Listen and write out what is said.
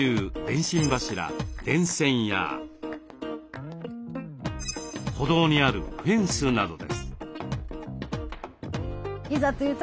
電信柱電線や歩道にあるフェンスなどです。